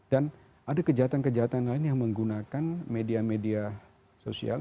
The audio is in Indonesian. dan ada kejahatan kejahatan lain yang menggunakan media media sosial